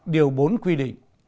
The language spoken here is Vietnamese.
điều bốn quy định